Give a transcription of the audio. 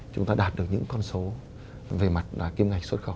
chúng ta đạt được những con số về mặt kim ngạch xuất khẩu